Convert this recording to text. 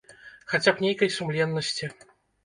Хаця б нейкай сумленнасці.